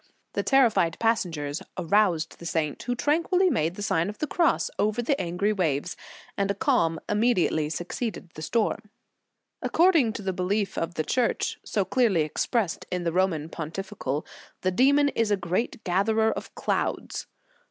The terrified passengers aroused the saint, who tranquilly made the Sign of the Cross over the angry waves, and a calm immediately succeeded the storm.* According to the belief of the Church, so clearly expressed in the Roman Pontifical, the demon is a great gatherer of clouds.